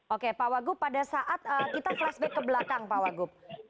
oke pak wagub pada saat kita flashback ke belakang pak wagub